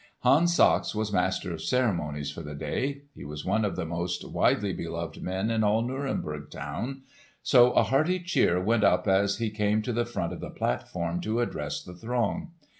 Hans Sachs was Master of Ceremonies for the day. He was one of the most widely beloved men in all Nuremberg town; so a hearty cheer went up as he came to the front of the platform to address the throng.